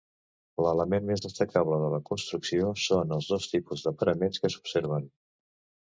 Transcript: L'element més destacable de la construcció són els dos tipus de paraments que s'observen.